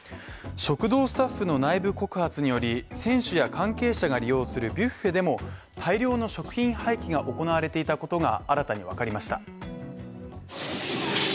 食堂スタッフの内部告発により、選手や関係者が利用するビュッフェでも大量の食品廃棄が行われていたことが新たにわかりました。